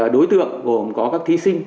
đối tượng gồm có các thí sinh